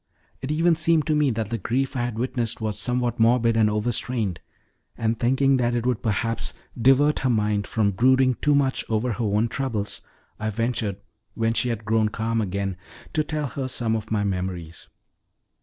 It even seemed to me that the grief I had witnessed was somewhat morbid and overstrained; and, thinking that it would perhaps divert her mind from brooding too much over her own troubles, I ventured, when she had grown calm again, to tell her some of my memories.